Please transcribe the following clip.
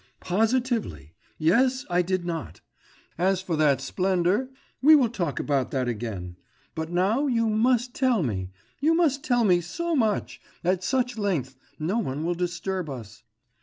Positively, yes, I did not. As for that splendour we will talk about that again; but now you must tell me, you must tell me so much, at such length, no one will disturb us.